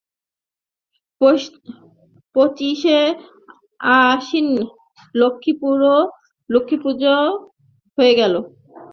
পঁচিশে আশ্বিন লক্ষ্মীপুজো হয়ে গেল।